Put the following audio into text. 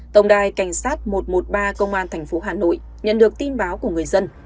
tổng đài cảnh sát một trăm một mươi ba công an thành phố hà nội nhận được tin báo của người dân